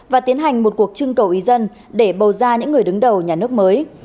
và tiến hành một cuộc trưng cầu ý dân để bầu ra những người đứng đầu nhà nước mới